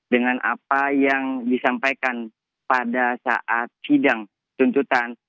dengan apa yang disampaikan pada saat sidang tuntutan